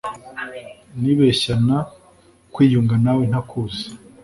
nibeshyna kwiyunga nawe ntakuzi